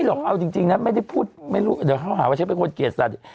ไม่หรอกเอาจริงนะไม่ได้พูดแล้วเขาหาว่าฉันเป็นคนเกลียดสัตว์